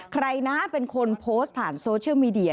ใครนะเป็นคนโพสต์ผ่านโซเชียลมีเดีย